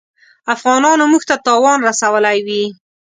افغانانو موږ ته تاوان رسولی وي.